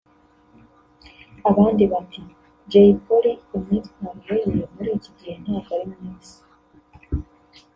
abandi bati Jay Polly imyitwarire ye muri iki gihe ntabwo ari myiza